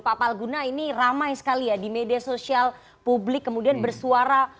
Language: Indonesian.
pak palguna ini ramai sekali ya di media sosial publik kemudian bersuara